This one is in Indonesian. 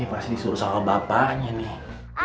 pasti disuruh sama bapaknya nih